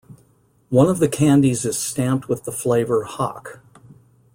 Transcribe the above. One of the candies is stamped with the flavour Hock.